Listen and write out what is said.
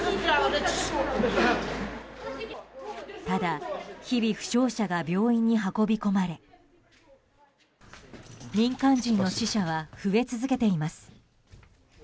ただ、日々負傷者が病院に運び込まれ民間人の死者は増え続けています。